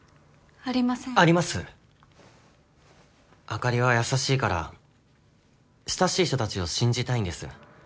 あかりは優しいから親しい人たちを信じたいんです。